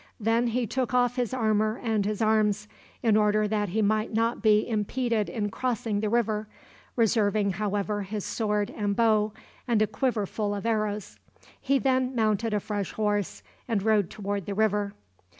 Then he took off his armor and his arms, in order that he might not be impeded in crossing the river, reserving, however, his sword and bow, and a quiver full of arrows. He then mounted a fresh horse and rode toward the river.